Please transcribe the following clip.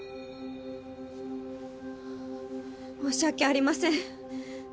申し訳ありません。